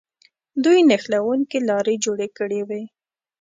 دوی نښلوونکې لارې جوړې کړې وې.